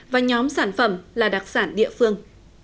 và nhóm sản phẩm là đặc sản địa phương